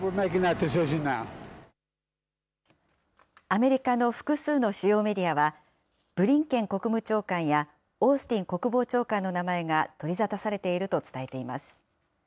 アメリカの複数の主要メディアは、ブリンケン国務長官やオースティン国防長官の名前が取りざたされていると伝えています。